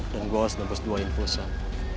dan gua harus nembus dua infusan